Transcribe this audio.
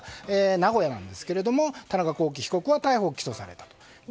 名古屋なんですが田中聖被告は逮捕・起訴された。